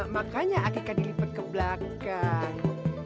makanya akika dilipat ke belakang